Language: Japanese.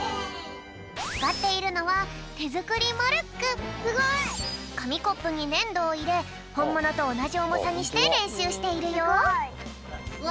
つかっているのはかみコップにねんどをいれほんものとおなじおもさにしてれんしゅうしているよ。